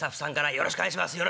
よろしくお願いします。